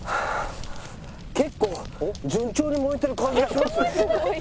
結構順調に燃えてる感じがしますよね。